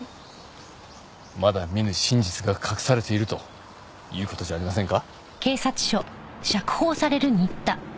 まだ見ぬ真実が隠されているという事じゃありませんか？